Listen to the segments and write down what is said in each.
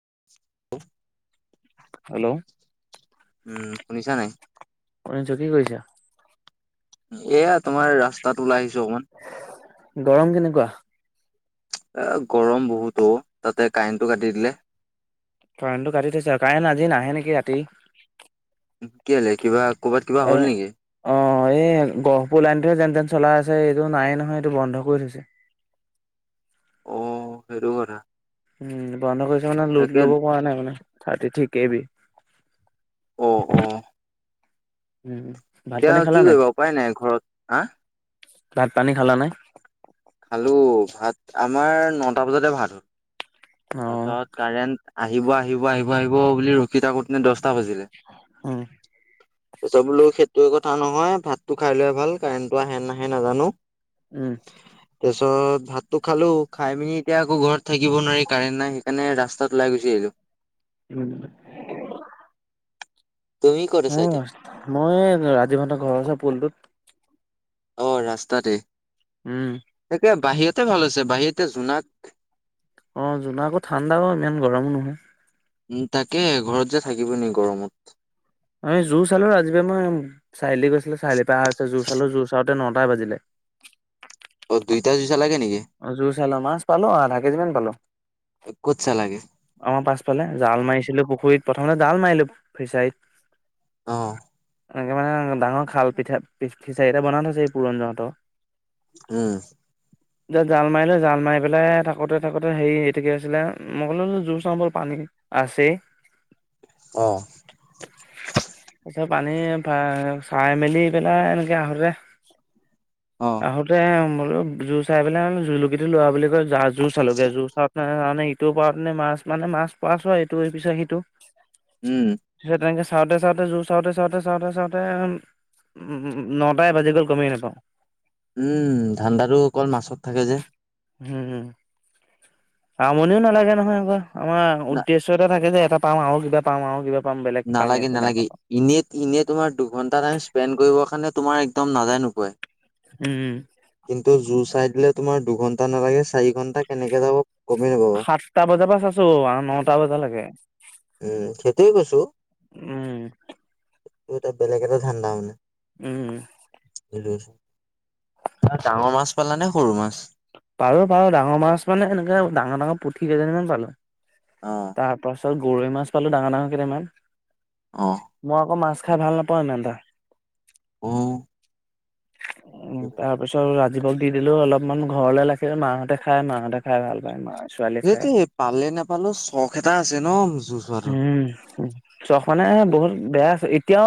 [unintelligible] Hello. উম শুনিছা নাই? শুনিছো কি কৰিছা? এয়া তোমাৰ ৰাস্তাত ওলাই আহি গৰম কেনেকুৱা? এ গৰম বহুতো তাতে কাৰেণ্টটো কাটি দিলে। কাৰেনটো কাটি থৈছে, কাৰেন আজি নাহে নেকি ৰাতি? কি হ কিবা কৰ'বাত কিবা এ হ'ল নেকি? অ এই গহপুৰ লাইনটোহে যেন যেন চলাই আছে, এইটো নাই নহয় এইটো বন্ধ কৰি থৈছে। অ সেইটো কথা। উম বন্ধ কৰিছে মানে লোট তাকে ল'ব পৰা নাই মানে থাৰ্টি থ্ৰী কে বি। অহ অহ। উম ভাত পানী খালা নাই? কৰিবা উপায় ঘৰত হা ভাত পানী খালা নাই? খালো ভাত আমাৰ নটা বজাতে ভাত হ'ল। অ তাৰ পিছত কাৰেণ্ট আহিব আহিব আহিব আহিব বুলি ৰখি থাকো নে দহটা বাজিলে। উম তাৰছত বোলো সেইটোৱে কথা নহয় ভাতটো খাই লোৱাই ভাল কাৰেণ্টটো আহে নাহে নাজানো। উম। তাৰপিছত ভাতো খালো খাই পিনি এতিয়া আকৌ ঘৰত থাকিব নোৱাৰি কাৰেণ্ট নাই সেইকাৰণে ৰাস্তাত ওলাই গুছি আহিলো। [unintelligible] [unintelligible] তুমি ক'ত আছা এতিয়া? মোৰ মই ৰাজীপ হতৰ ঘৰৰ ওচৰৰ পুলটোত। অ ৰাস্তাতে? উম। তাকে বাহিৰতে ভাল হৈছে বাহিৰতে জোনাক। অ জোনকো ঠাণ্ডাও ইমান গৰমো নহয়। উ তাকে ঘৰত যে থাকিবৈ নোৱাৰি গৰমত। অ জোৰ চালো আজি মই চাৰিআলি গৈছিলো চাৰিআলি পৰা অহা হৈছে জোৰ চালো জোৰ চাওঁ তে নটাই বাজিলে। অ', দুইটা জুইচা লাগে নেকি? অ জুইচলা মাছ পালো আধা কেজি মান পালো। ক'ত চা লাগে? আমাৰ পাছফালে জাল মাৰিছিলো পুখুৰীত প্ৰথমতে জাল মাৰিলো ফিচাৰিত অ। এনেকে মানে ডাঙৰ খাল পিঠা ফিচাৰি এটা বনাই থৈছে এই পুৰণ দা হঁতৰ। উম। যেতিয়া জাল মাৰিলে জাল মাৰি পেলাই থাকোতে থাকোতে হেৰি আছিলে মই কলো জোৰ চামৰ পানী আছেই। অ। [inaudible] তাৰপিছত পানী চাই মেলি পেলাই এনেকে আহোঁতে অ', আহোতে ম জুৰ চাই পেলাই জুলুকিটো লোৱা বুলি কয় জা জোৰ চালোগে জোৰ চাওঁতে মানে ইটোৰ পাৰত মাছ মানে মাছ পাইছোঁ ইটো পিছত সিটো উম, হে তেনেকে। চাওঁতে চাওঁতে জোৰ চাওঁতে চাওঁতে চাওঁতে চাওঁতে নটাই বাজি গ'ল গমেই নাপাওঁ। উম, ধান্দাটো অকল মাছত থাকে যে। হম আমনিও নালাগে নহয় আকৌ, আমাৰ না উদ্দেশ্য এটা থাকে যে। পাওঁ আৰু কিবা পাওঁ আৰু কিবা পাম বেলেগ পাম নালাগে ইয়াতকে নালাগে ডাঙৰ পাম এনে এনে তোমাৰ দুঘন্টা টাইম স্পেণ্ড কৰিবৰ কাৰণে তোমাৰ একদম নেযায় নোপোৱাই। উম কিন্তু জোৰ চাই তোমাৰ দুঘন্টা নালাগে চাৰি ঘন্টা কেনেকে যাব গমেই নাপাবা। সাতটা বজাৰ পৰা চাইছো নটা বজালৈকে। উম, সেইটোৱে উম। টো এটা বেলেগ এটা ঠাণ্ডা মানে। উম ডাঙৰ মাছ পালা নে সৰু মাছ। পাৰো পাৰো ডাঙৰ মাছ মানে এনেকে ডাঙৰ ডাঙৰ পুঠি কেইজনীমান পালো। অ'। তাৰ পাছত গৰৈ মাছ পালো ডাঙৰ ডাঙৰ কেইটামান অ মই আকৌ মাছ। খাই ভাল নাপাওঁ ইমান এটা। অ উম তাৰপিছত। দ্বীপক দি দিলো অলপমান ঘৰলে ৰাখিলোঁ মাহঁতে খাই মাহঁতে খাই ভাল পায়। ছোৱালীয়ে খাই সিহঁতি পালে নাপালো চখ এটা আছে যুজ চোৱাটো। উ ছখনে বহুত বেয়া এতিয়াও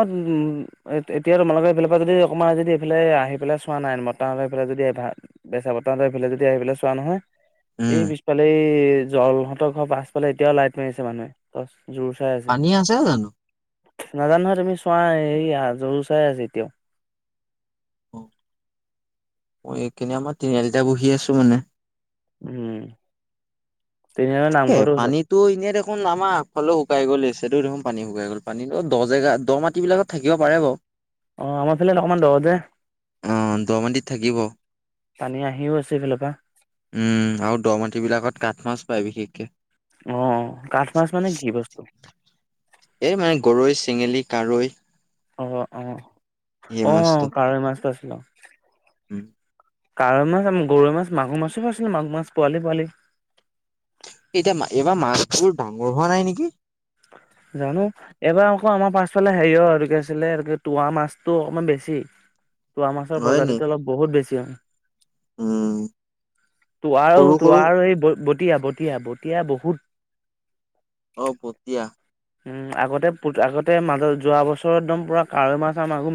এতিয়া তোমালোকৰ এইফালৰ পৰা যদি অকণমান যদি এইফালে আহি পেলাই চোৱা নাই বৰ্তাতাহতৰ এইফালে যদি। বেচা বৰ্তাহতৰ এই ফালে আহি পেলাই চোৱা নহয়। এই উম পিছফালে জলহঁতৰ ঘৰৰ পাছফালে এতিয়াও লাইট মাৰিছে মানুহে। জোৰ চাই পানী আছে জানো নাজানো নহয় তুমি চোৱা এইৰি জৰু চাই আছ এতিয়াও। অ মই এইকাৰনে আমাৰ তিনিআলিটা বহি আছো মানে উম তিনিআলিৰ তাকে নামঘৰটোৰ ওচৰত পানীতো এনেই দেখোন আমাৰ আগফালে শুকাই গ'ল চোন। পানী শুকাই গ'ল পানীতো দহ জেগা দ মাটিব বিলাকত থাকিব পাৰে বাৰু অ আমাৰ ফালে অকমান দ যে। অ দহ মাটিত থাকিব পানী আহিও আছে এইফালৰ পৰা উম আৰু দ মাটি বিলাকত কাঠ মাছ পায় বিশেষকে আহ কাঠ মাছ মানে কি বস্তু? এই মানে গৰৈ, চেঙেলী, কাৱৈ। অ আহ আহ মাছটো কাৱৈ মাছটো পাইছিলোঁ। উম কাৱৈ মাছ আমাৰ গৰৈ মাছ মাগুৰ মাছো আছিলে মাগুৰ মাছ পোৱালি পোৱালি। এতিয়া এইবাৰ মাছবোৰ ডাঙৰ হোৱা নাই নেকি? জানো এইবাৰ আকৌ আমাৰ পাছফালে হেৰিয় আৰু কি আছিলে আৰু তোৱা মাছটো অকণমান বেছি। তোৱা মাছৰ হয় নি প্ৰজাতিটো অলপ বহুত বেছি হয় উম তুৱা আৰু সৰু সৰু তুৱা আৰু ব ব বটীয়া বটীয়া বটীয়া বহুত অ বটীয়া। আগতে আগতে মাজত যোৱা বছৰত একদম পূৰা কাৱৈ মাছ আৰু মাগুৰ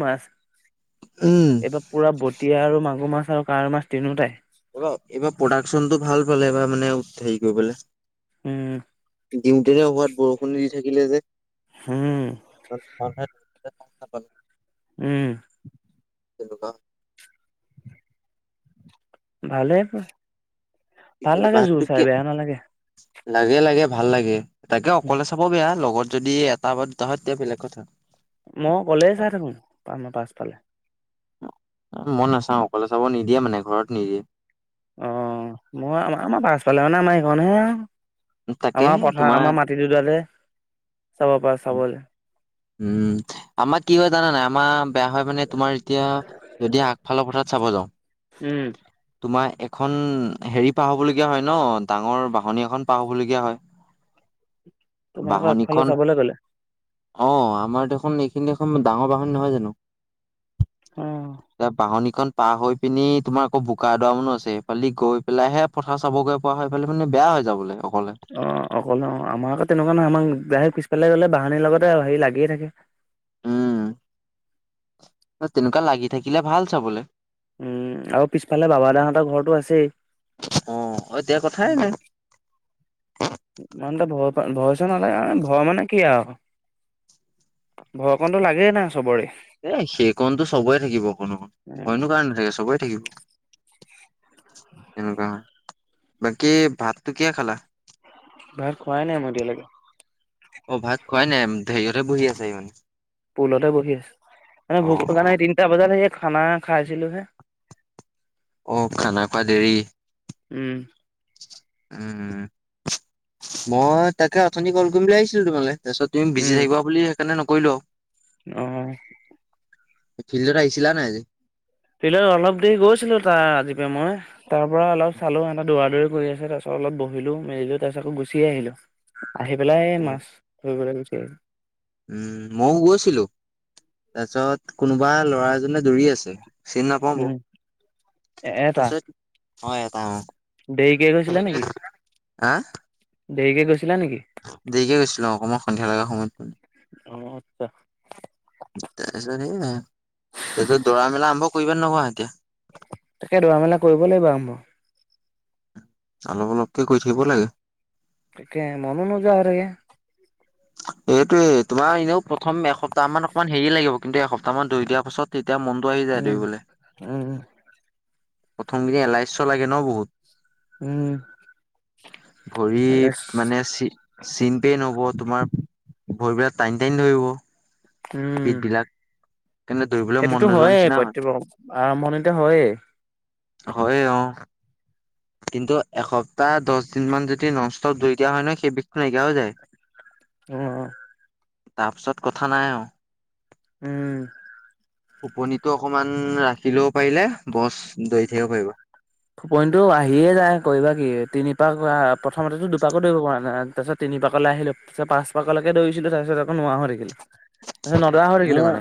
উম মাছ- এইবাৰ পুৰা বটিয়া আৰু মাগুৰ মাছ আৰু কাঁৱৈ মাছ তিনওটাই- এইবাৰ এইবাৰ প্ৰডাকশ্যনটো ভাল পালে এবাৰ মানে হেৰী কৰিবলে। উম দিওঁতেনে ক'ৰবাত বৰষুণ দি থাকিলে যে হম [unintelligible] উম তেনোকা ভালেই ভাল ঠিকে লাগে জোৰ ভাতটো চাই কি বেয়া নালাগে লাগে লাগে ভাল লাগে তাকে অকলে চাব বেয়া লগত যদি এটা বাৰ দুটা হয় তেতিয়া বেলেগ কথা। মই অকলে চাই থাকো আমাৰ পাছফালে। মই নাচাওঁ অকলে চাব নিদিয়ে মানে ঘৰত নিদিয়ে। অ মই আম আমাৰ পাছ ফালে মানে আমাৰ এইখন হে আও। তাকেহে আমাৰ পথাৰ তোমাৰ আমাৰ মাটি দুডালে। চাব পাৰা চাবলৈ। উম আমাৰ কি হয় জানা নাই আমাৰ বেয়া হয় মানে তোমাৰ এতিয়া যদি আগফালৰ পথাত চাব যাওঁ উম তোমাৰ এখন হেৰি পাৰ হবলগীয়া হয় ন ডাঙৰ বাহনি এখন পাহ হবলগীয়া হয় [inaudible] তোমালোকৰ আগফালে বাহনিখন চাবলৈ গ'লে অ আমাৰ দেখোন এইখিনি এখন ডাঙৰ বাহনি নহয় জানা অ এতিয়া বাহনিখন পাল হৈ পিনি তোমাৰ আকৌ বোকা এডৰা মানো আছে সেইফালে গৈ পেলাইহে পথাৰ চাবগৈ পোৱা হৈ ফালে মানে বেয়া হৈ যাবলৈ। অ অকলে ন আমাৰ আকৌ তেনেকুৱা নহয় আমাৰ দাৰেক পিছফালে গলে বাহানিৰ লগত তে হেৰি লাগিয়ে থাকে উম তেনেকুৱা লাগি থাকিলে ভাল চাবলে। উম আৰু পিছফালে বাবাদা হতঁৰ ঘৰৰতটো আছেই অহ হয় এতিয়া কথাই নাই ইমানতা ভ ভয় চ নালাগে ভয় মানে কি আও ভয় কণ লাগেই না চবৰে। এ সেইকণটো চবেই থাকিব অকণ অকণ ভয়নো নাথাকে চবেই থাকিব। এনেকুৱা হয়। বাকী ভাতটো কিহে খালা। ভাত খোৱাই নাই মই এতিয়ালৈকে। অ ভাত খুৱাই নাই। হেৰিয়তে বহি আছে ইমান পুলতে বহি আছো। মানে ভোক লগা অ', নাই, তিনিটা বজাতে হে খানা খাইছিলো হে অ' খানা খোৱা দেৰি। উম উম মই তাকে অথনি কল কৰিম বুলি ভাবিছিলো তোমালে। তাৰপিছত তুমি বিচাৰি থাকিব বুলি সেইকাৰণে নকৰিলো আৰু। অ'হ ফিল্ডত আহিছিলা নাই আজি? ফিল্ড অলপ দেৰি গৈছিলো তাৰ ৰাতি পুৱা মই তাৰ পৰা অলপ চালো এহটা দৌৰা দৌৰি কৰি আছে তাৰপিছত অলপ বহিলো মেলিলো তাৰপিছত আকৌ গুচি আহিলো। আহি পেলাই অ', মাছ ধৰিবলৈ গুচি আহিলোঁ। উম মইও গৈছিলো তাৰপিছত কোনোবা ল'ৰা এজনে দৌৰিয়ে আছে। চিনি নাপাওঁ বাৰু উম এটা তাৰপিছত হয় অ এটা। দেৰিকে গৈছিলা নেকি হা দেৰিকে গৈছিলা। নেকি দেৰিকে গৈছিলো অকণমান সন্ধিয়া লগা সময়ত অহ আচ্ছা। তাৰপিছত সেইয়া দৌৰা মেলা আৰম্ভ কৰিবা নে নকৰা এতিয়া তাকে দৌৰা মেলা কৰিব লাগিব আৰম্ভ। অলপ অলপকে কৰি থাকিব লাগে। তাকে মননো নোযোৱা হৈ থাকে। এইটোয়ে তোমাৰ এনেও প্ৰথম এসপ্তাহ মান অকণমান হেৰি লাগিব। কিন্তু এসপ্তাহমান দৌৰি দিয়াৰ পাছত এতিয়া মনতটো আহি যায় উম দৌৰিবলে উম প্ৰথম কেইদিন এলাহ্য লাগে ন বহুত উম উম ভৰিত মানে চি চিন পেইন হ'ব তোমাৰ ভৰি বিলাক টানি টানি ধৰিব, উম পিঠবিলাক তেনে দৌৰিবলৈ মন সেইটোতো নোযোৱা হয়েই নিচিনা হয়। প্ৰত্যেক আৰম্ভণিতে হয়েই হয়ে অ'হ কিন্তু এসপ্তাহ দহ দিন মান যদি ন ইষ্টপ দৌৰি দিয়া হয় ন সেই বিষটো নাইকিয়া হৈ যায়। [inaudible] [unintelligible] উম উম তাৰপিছত কথা নাই আও। উম। খোপনিটো অকমাণ ৰাখি ল'ব পাৰিলে, বছ দৌৰি থাকিব পাৰিব। [inaudible] যায় কৰিবা কি তিনি পাক বা প্ৰথমতেটো দুপাকো দৌৰিব পৰা নাই। তাৰ পাছত তিনি পাকলে আহিলো। তাৰ পাছত পাঁচ পাকলৈকে দৌৰিছিলো। তাৰপিছত আকৌ নোৱাৰা হৈ থাকিলোঁ। তাৰপিছত নদৌৰা হৈ থাকিলোঁ মোৰ মানে,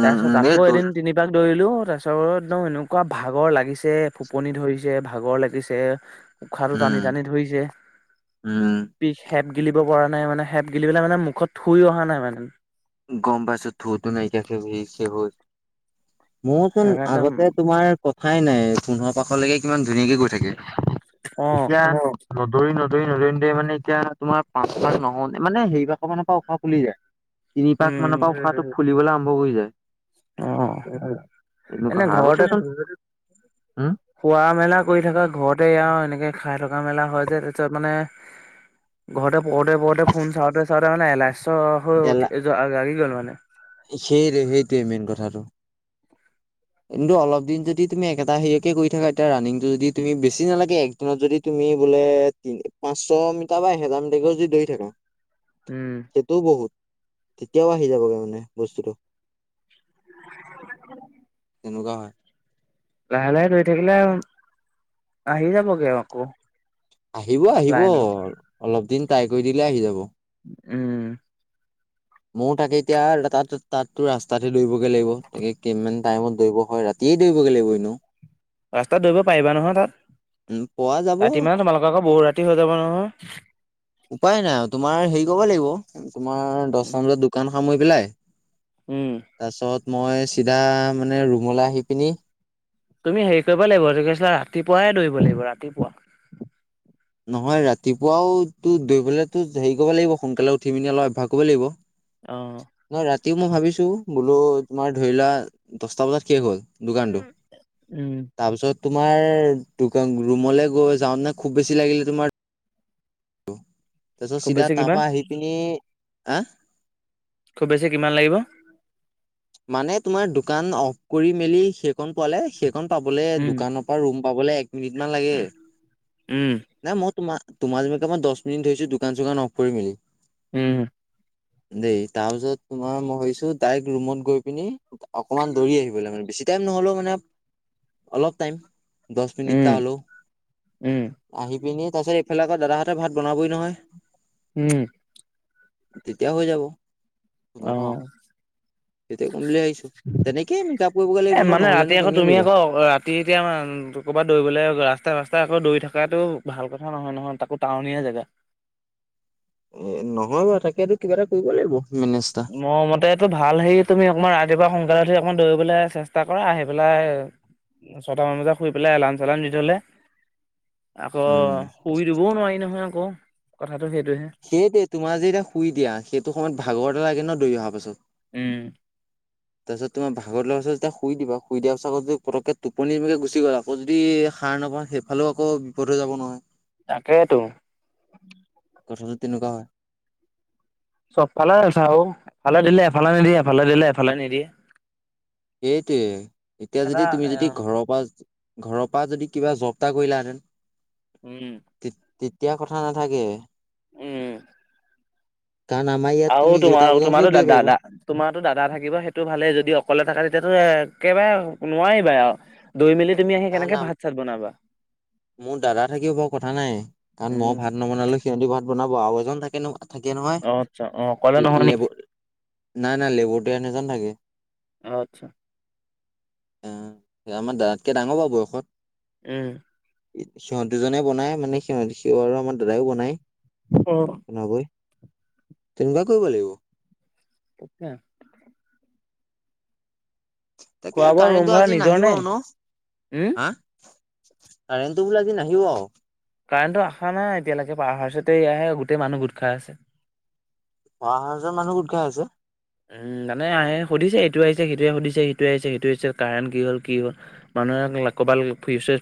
উম তাৰপিছত উম এই আকৌ দৌ এদিন তিনিবাক দৌৰি লো। তাৰ পিছত অ এনেকুৱা ভাগৰ লাগিছে টোপনি ধৰিছে, ভাগৰ লাগিছে। উশাহটো টানি উম টানি ধৰিছে। উম বিষে হিপ গিলিব পৰা নাই মানে। হিপ গিলিবলে মানে মুখত থুই অহা নাই মানে। গম পাইছো, থুটো নাই [inaudible] মোৰচোন একদম আগতে তোমাৰ কথাই নাই। পোন্ধৰ পাকলেকে কিমান ধুনীয়াকে গৈ থাকে। অ এতিয়া নদৌৰি ন নদৌৰি নদৌৰি মানে এতিয়া তোমাৰ পাঁচ পাক নহওতেই মানে [inaudible] মানৰ পৰা উশাহ ফুলি যায়। তিনি পাক উম মানৰ পৰা উশাহটো ফুলিবলৈ আৰম্ভ কৰি অ যায়। এনে ঘৰতে [unintelligible] উম। খোৱা মেলা কৰি থকা ঘৰতে এইয়া আৰু এনে খাই থকা মেলা হয় যে। তাৰপিছত মানে ঘৰতে পৰুতে পৰতে ফোন চাওঁতে চাওঁতে মানে এলাছ হৈ উঠি লাগি গ'ল মানে। সেইটো সেইটোৱে মেইন কথাটো। কিন্তু অলপ দিন যদি তুমি একেটা হেৰিয়কে কৰি থাকা। এতিয়া ৰানিং টো যদি তুমি বেছি নালাগে একদিনত যদি তুমি তুমি বোলে দিনটোত পাঁচশ মিটাৰ বা এহেজাৰ মিটাৰকেও যদি দৌৰি থাকা উম, সেইটোও বহুত। তেতিয়াও আহি যাবগে মানে বস্তুটো। [unintelligible] তেনেকুৱা হয়। লাহে লাহে দৌৰি থাকিলে আহি যাবগে আকৌ। আহিব, আহিব। লাইনত অলপ দিন ট্ৰাই কৰি দিলে আহি যাব। উম। মোৰ তাকে এতিয়া তাত তাতো ৰাস্তাতে দৌৰিবগে লাগিব। তাকে কিমান টাইমত দৌৰিব হয় ৰাতি। ধেই দৌৰিব গে লাগিব এনেও। ৰাস্তাত দৌৰিব পাৰিবা নহয় উম পোৱা তাত। যাব ৰাতি মানে তোমালোকৰ আকৌ বহুত ৰাতি হৈ যাব নহয়। উপায় নাই আৰু তোমাৰ হেই কব লাগিব। তোমাৰ দহটামান বজাত দোকান সামৰি পেলাই উম, তাছত মই চিধা মানে ৰুমলৈ আহি পিনি তুমি হেৰি কৰিব লাগিব। [unintelligible] ৰাতিপুৱাই দৌৰিব লাগিব, ৰাতিপুৱা। নহয় ৰাতিপুৱাও তো দৌৰিবলৈটো হেৰি কৰিব লাগিব সোনকালে উঠি পিনি অলপ অভ্যাস কৰিব লাগিব। অঁ। এতিয়া মই ভাবিছো বোলো তোমাৰ ধৰি লোৱা দছটা বজাত শেষ হয়। দোকানটো। উম, তাৰপিছত তোমাৰ দোকান ৰুমলৈ গৈ যাওঁ নে খুব বেছি লাগিলে তোমাৰ তাৰ পিছত খুব চিধা বেছি তাৰ কিমান পৰা আহি পিনি, আ? খুব বেছি কিমান লাগিব? মানে তোমাৰ দোকান অফ কৰি মেলি সেইকণ পোৱালে সেই পাবলে উম, দোকানৰ পৰা ৰুম পাবলৈ এক মিনিট মান লাগে। উম, উম, নাই মই তোম তোমাৰ যেনেকে মই দছ মিনি ধৰিছো দোকান চোকান অফ কৰি মেলি। উম। দেই। তাৰপিছত তোমাৰ মই ভাবিছো ডাইৰেক্ট ৰুমত গৈ পিনি অকমান দৌৰি আহিবলৈ, মানে বেছি টাইম নহলেও মানে অলপ টাইম। দছ মিনিতটা উম, হলেও। উম, আহি পিনি তাৰ পিছত এইফালে আকৌ দাদাহঁতে ভাত বনাবই নহয়, উম, তেতিয়া হৈ যাব। তেনেকুৱা। অ'। তেতিয়া কম বুলি ভাবিছো, তেনেকেই মেক আপ কৰিবগে লাগিব এ ন মানে ৰাতি নহলেনো আকৌ কেনেকে তুমি কৰিবা। আকৌ ৰাতি এতিয়া ক'ৰবাত দৌৰিবলে ৰাস্তা ৰাস্তা। দৌৰি থকাটো ভাল কথা নহয় নহয় তাকো টাউনীয়া জেগা। এ নহয় বাৰু তাকেটো কিবা এটা কৰিব লাগিব। মেনেজ এটা ম মতেটো ভাল হে তুমি অকণমান ৰাতিপুৱা হুন কালে উঠি অকমান দৌৰিবলৈ চেষ্টা কৰা আহি পেলাই। ছটামান বজাত শুই পেলাই এলাম চেলাম দি থলে। আকৌ উম শুই দিবও নোৱাৰি নহয় আকৌ কথা সেইটোৱেটো তোমাৰ যে এতিয়া শুই দিয়া, সেইটো সময়ত ভাগৰ এটা লাগে ন দৌৰি অহা পাছত। উম। তাৰপিছত তোমাৰ ভাগৰ টো লগা পাছত শুই দিবা শুই দিয়াৰ পাছত আকৌ যদি পতককে টোপনি মকে গুচি গলা আকৌ যদি। সাৰ নাপাওঁ সেইফালেও আকৌ বিপদ হৈ যাব নহয়। তাকেইতো। কথাটো তেনেকুৱা হয়। চবফালে চাওঁ এফালে দিলে এফালে নিদিয়ে এফালে দিলে এফালে নিদিয়ে। সেইটোৱে এতিয়া এটা যদি তুমি যদি ঘৰৰ পৰা। ঘৰৰ পৰা যদি কিবা জব এটা কৰিলাহেঁতেন। উম। তেতিয়া কথা নাথাকে। উম। কাৰণ আমাৰ ইয়াত আৰু তুমি যেইটা তোমাৰ বজাত হ'লেও তোমাৰো দা দিব পাৰিবা দাদা তোমাৰো দাদা থাকিব সেইটো ভালে যদি অকলে থাকে তেতিয়াতো এ। একেবাৰে নোৱাৰিবা আৰু দৌৰি মেলি তুমি আহি না না কেনেকে ভাত চাত বনাবা। মোৰ দাদা থাকিও বৰ কথা নাই কাৰণ মই উম ভাত নবনালো সিহঁতি ভাত বনাব। কোৱা আৰু এজন থাকে ন থাকে অ আচ্ছা অ অকলে নহয় নহয় নি লেব। নাই নাই লেবৰেটৰী আন এজন থাকে। আচ্ছা। অহ আমাৰ দাদাতকে ডাঙৰ বয়সত। উম। সিহঁতজনে বনাই মানে সিহঁতি সিহঁতৰ ৰোমত আমাৰ দাদাইও বনায় এনেকৈ। তেনেকুৱা কৰিব লাগিব। আচ্ছা। তাকে খোৱা বোৱা ৰুম কাৰেণ্টটো ভাড়া আজি নিজৰ নে নাহিবও আৰু ন উম হা। কাৰেণ্টো বোলা আদি নাহিব আৰু। কাৰেণ্টটো আশা নাই এতিয়ালৈকে পাহাৰচতে এয়াহে গোটেই মানুহ গোট খাই আছে। অহা হাজাৰ মানুহ গোট খাই আছে। উম জানে আহে সুধিছে এইটো আহিছে সেইটোৱে সুধিছে সিটো আহিছে সেইটো আহিছে কাৰাৰেণ্ট কি হ'ল কি হ'ল মানুহে। এংলা কবাল ফুৰিছে।